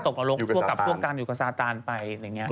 ต้องตกอรกกับพวกกันอยู่กับสาธารณ์ไป